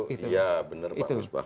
iya benar pak musbah